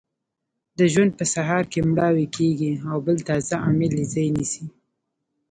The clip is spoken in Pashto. د ژوند په سهار کې مړاوې کیږي او بل تازه عامل یې ځای نیسي.